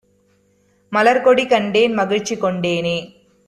மலர்க்கொடி கண்டேன் மகிழ்ச்சிகொண் டேனே!